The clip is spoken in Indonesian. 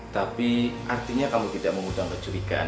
tapi artinya kamu tidak mau hutang kecurigaan kan